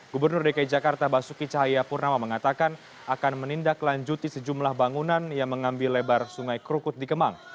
gubernur dki jakarta basuki cahaya purnama mengatakan akan menindaklanjuti sejumlah bangunan yang mengambil lebar sungai krukut di kemang